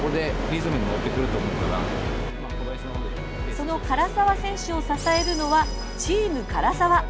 その唐澤選手を支えるのはチーム唐澤。